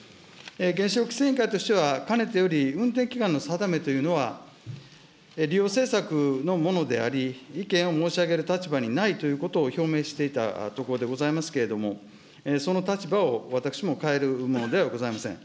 原子力規制委員会としては、かねてより運転期間の定めというのは、利用政策のものであり、意見を申し上げる立場にないということを表明していたところでございますけれども、その立場を私も変えるものではございません。